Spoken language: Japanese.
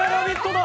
だ。